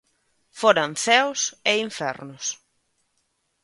Foran ceos e infernos.